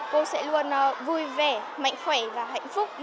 cô sẽ luôn vui vẻ mạnh khỏe và hạnh phúc